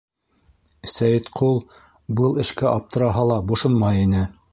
Сәйетҡол был эшкә аптыраһа ла, бошонмай ине.